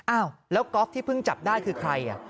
อ้าวแล้วก๊อฟที่เพิ่งจับได้คือใคร